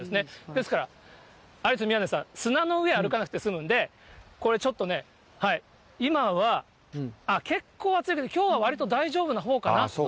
ですから、あれです、宮根さん、砂の上を歩かなくて済むんで、これちょっとね、今は結構熱いです、きょうは割と大丈夫なほうかな。